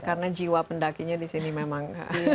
karena jiwa pendakinya di sini memang